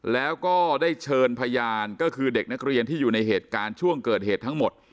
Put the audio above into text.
แล้วก็ได้เชิญพยานก็คือเด็กนักเรียนที่อยู่ในเหตุการณ์ช่วงเกิดเหตุทั้งหมด